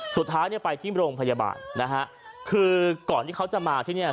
สุดท้ายไปที่โรงพยาบาลคือก่อนที่เขาจะมาที่นี่